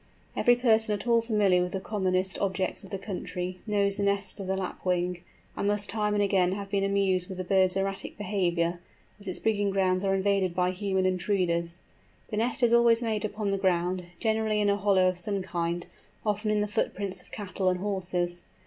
Every person at all familiar with the common objects of the country, knows the nest of the Lapwing, and must time and again have been amused with the bird's erratic behaviour, as its breeding grounds are invaded by human intruders. The nest is always made upon the ground, generally in a hollow of some kind, often in the footprints of cattle and horses.